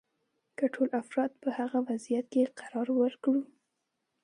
که ټول افراد په هغه وضعیت کې قرار ورکړو.